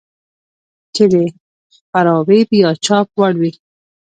چې د خپراوي يا چاپ وړ وي.